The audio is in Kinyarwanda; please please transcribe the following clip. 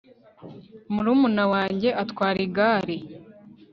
murmuna wanjye atwara igare